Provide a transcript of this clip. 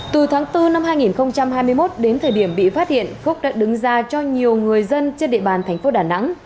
từ tháng bốn năm hai nghìn hai mươi một đến thời điểm bị phát hiện phúc đã đứng ra cho nhiều người dân trên địa bàn thành phố đà nẵng